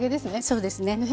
そうですね。